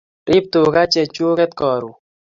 Rib tuka che chuket karun